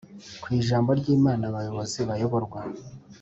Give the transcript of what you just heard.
kwijambo ryimana abayobozi bayoborwa